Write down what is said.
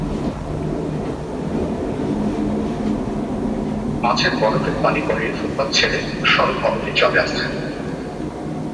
মাছের বরফের পানি গড়িয়ে ফুটপাত ছেড়ে মূল সড়ক অবধি চলে আসছে।